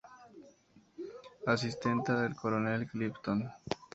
Asistenta del coronel Clifton.